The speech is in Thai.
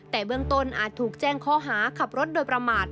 แต่เบื้องต้นอาจถูกแจ้งข้อหาขับรถโดยประมาท